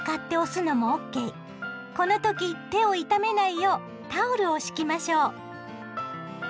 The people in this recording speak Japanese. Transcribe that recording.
この時手を痛めないようタオルを敷きましょう。